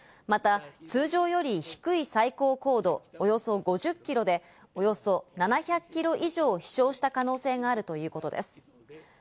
また通常より低い最高高度およそ５０ｋｍで、およそ７００ｋｍ以上飛翔した可能性があるということです。